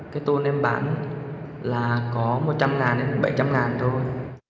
cái tôn em bán là có một trăm linh ngàn đến bảy trăm linh ngàn thôi